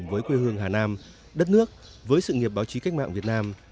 với quê hương hà nam đất nước với sự nghiệp báo chí cách mạng việt nam